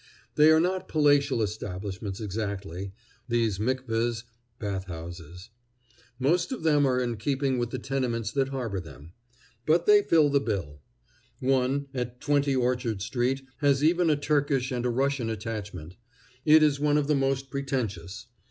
They are not palatial establishments exactly, these mikwehs (bath houses). Most of them are in keeping with the tenements that harbor them; but they fill the bill. One, at 20 Orchard street, has even a Turkish and a Russian attachment. It is one of the most pretentious.